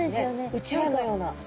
うちわのような。